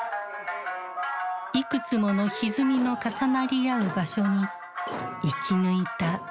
いくつものひずみの重なり合う場所に生き抜いた魂がある。